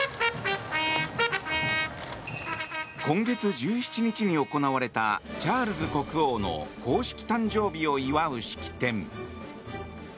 今月１７日に行われたチャールズ国王の公式誕生日を祝う式典。